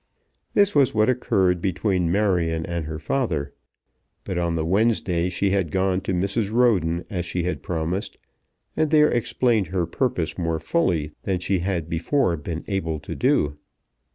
This was what occurred between Marion and her father; but on the Wednesday she had gone to Mrs. Roden as she had promised, and there explained her purpose more fully than she had before been able to do.